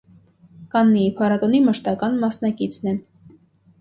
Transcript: Կաննի կինոփառատոնի մշտական մասնակիցն է։